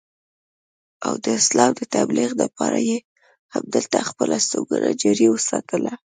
او د اسلام د تبليغ دپاره ئې هم دلته خپله استوګنه جاري اوساتله